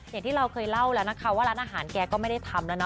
อย่างที่เราเคยเล่าแล้วนะคะว่าร้านอาหารแกก็ไม่ได้ทำแล้วเน